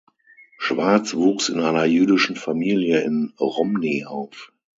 Schwarz wuchs in einer jüdischen Familie in Romny auf.